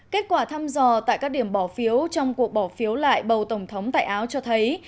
kết quả thăm dò tại các điểm bỏ phiếu trong cuộc bỏ phiếu lại bầu tổng thống tại áo cho thấy